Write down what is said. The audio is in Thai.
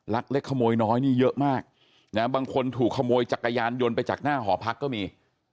เล็กขโมยน้อยนี่เยอะมากนะบางคนถูกขโมยจักรยานยนต์ไปจากหน้าหอพักก็มี